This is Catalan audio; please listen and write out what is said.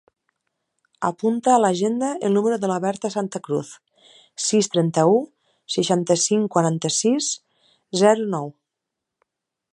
Apunta a l'agenda el número de la Berta Santacruz: sis, trenta-u, seixanta-cinc, quaranta-sis, zero, nou.